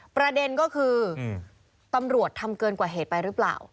ประเด็นก็คือตำรวจทำเกินกว่าเหตุไปหรือเปล่า